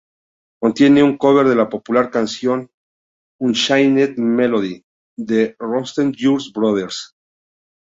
Contiene un cover de la popular canción "Unchained Melody", de Righteous Brothers.